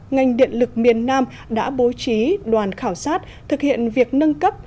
ngành điện lực miền nam đã bố trí đoàn khảo sát thực hiện việc nâng cấp